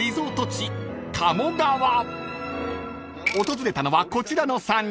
［訪れたのはこちらの３人］